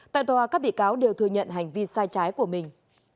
tại tòa các bị cáo đều thừa nhận hành vi sai trái của mình